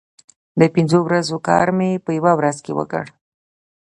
د پنځو ورځو کار مې په یوه ورځ وکړ.